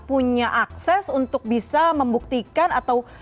punya akses untuk bisa membuktikan atau